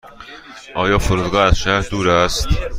آیا فرودگاه از شهر دور است؟